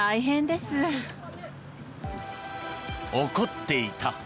怒っていた。